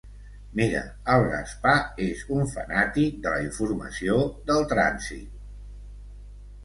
Mira, el Gaspar és un fanàtic de la informació del trànsit...